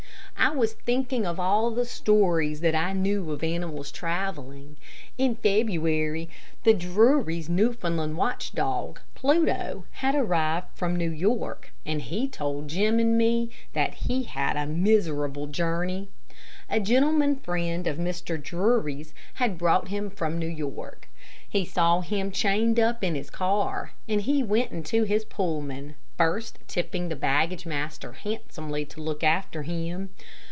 I was thinking of all the stories that I knew of animals traveling. In February, the Drurys' Newfoundland watch dog, Pluto, had arrived from New York, and he told Jim and me that he had a miserable journey. A gentleman friend of Mr. Drury's had brought him from New York. He saw him chained up in his car, and he went into his Pullman, first tipping the baggage master handsomely to look after him.